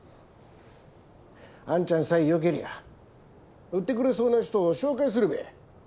あんちゃんさえよけりゃあ売ってくれそうな人紹介するべ。